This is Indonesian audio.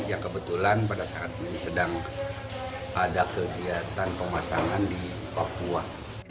yang kebetulan pada saat ini sedang ada kegiatan pemasangan di papua